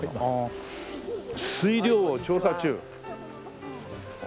水量を調査中。